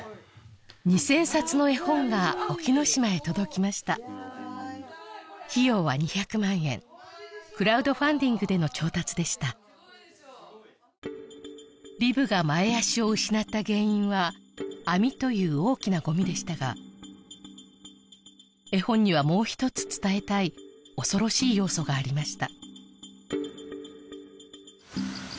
２０００冊の絵本が隠岐の島へ届きました費用は２００万円クラウドファンディングでの調達でしたリブが前足を失った原因は網という大きなごみでしたが絵本にはもうひとつ伝えたい恐ろしい要素がありました